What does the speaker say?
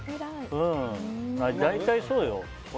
大体、そうよ。